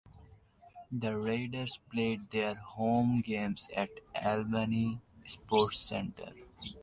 The Raiders played their home games at Albany Sports Centre.